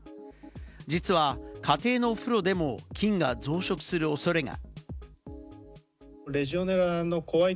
実は家庭のお風呂でも菌が増殖する恐れが。